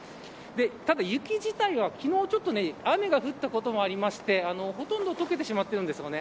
ただ、雪自体は昨日ちょっと雨が降ったこともありほとんどとけてしまってるんですよね。